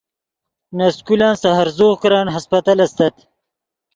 نے سکولن سے ہرزوغ کرن ہسپتل استت